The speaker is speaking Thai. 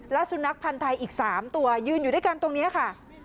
และสุนัขพันธ์ไทยอีก๓ตัวยืนอยู่ด้วยกันตรงนี้ค่ะ